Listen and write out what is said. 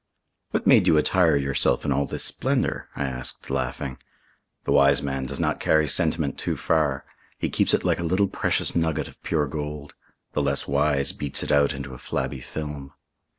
"What made you attire yourself in all this splendour?" I asked, laughing. The wise man does not carry sentiment too far. He keeps it like a little precious nugget of pure gold; the less wise beats it out into a flabby film.